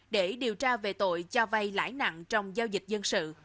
để điều tra về tội cho vay lãi nặng trong giao dịch dân sự